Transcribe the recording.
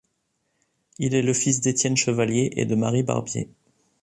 Il est le fils d'Étienne Chevallier et de Marie Barbier.